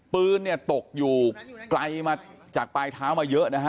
ปืนเนี่ยตกอยู่ไกลมาจากปลายเท้ามาเยอะนะฮะ